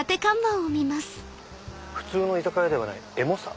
「ふつうの居酒屋でない『エモさ』」。